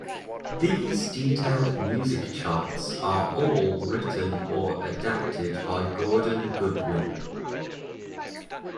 These detailed music charts are all written or adapted by Gordon Goodwin.